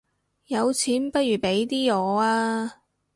有錢不如俾啲我吖